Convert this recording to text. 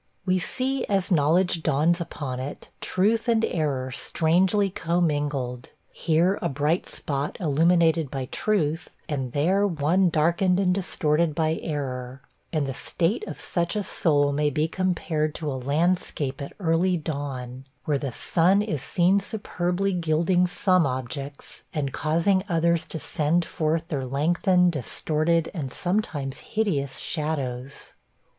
We see, as knowledge dawns upon it, truth and error strangely commingled; here, a bright spot illuminated by truth and there, one darkened and distorted by error; and the state of such a soul may be compared to a landscape at early dawn, where the sun is seen superbly gilding some objects, and causing others to send forth their lengthened, distorted, and sometimes hideous shadows.